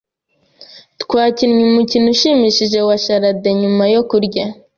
Twakinnye umukino ushimishije wa charade nyuma yo kurya.